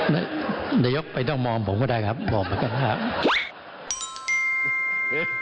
นายยกไปต้องมองผมก็ได้ครับมองมาก็ได้ครับ